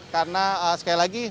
karena sekali lagi